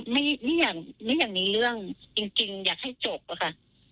ไม่อยากไม่อยากมีเรื่องจริงอยากให้จบอะค่ะ